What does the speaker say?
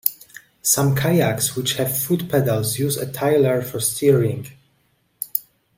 Some Kayaks which have foot pedals use a tiller for steering.